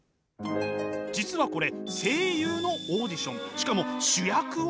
実はこれ声優のオーディション！しかも主役を決めるものでした。